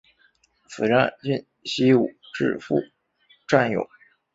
此站近西武秩父站有。